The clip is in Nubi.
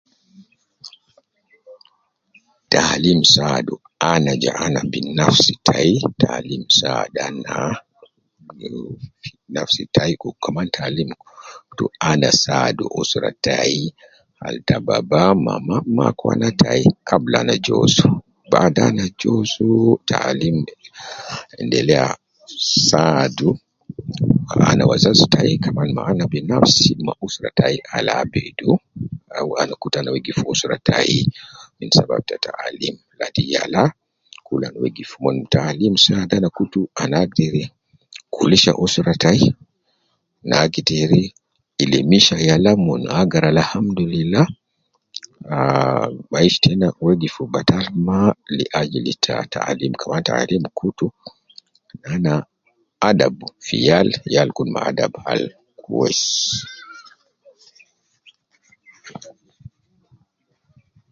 Taalim saadu ana ja ana bi nafsi tayi taalim saadu ana fi nafsi tayi u kaman taalim saadu ana ma usra tayi mama ma baba kabla ana jouzu, baada ana jouzu taalim saadu wazazi ma ana binafsi ta usra tayi